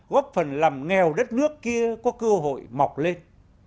góp phần làm nghèo đất nước kia có cơ hội mọc lên